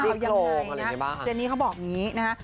เอายังไงนะเจนี่เขาบอกอย่างนี้นะฮะ